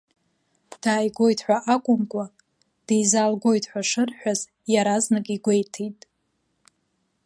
Дааигоит, ҳәа акәымкәа, дизаалгоит ҳәа шырҳәаз иаразнак игәеиҭеит.